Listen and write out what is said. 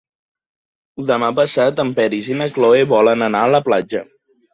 Demà passat en Peris i na Cloè volen anar a la platja.